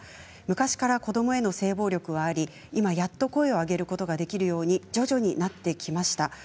昔から子どもへの性暴力があり今やっと声を上げることができるように徐々になってきました。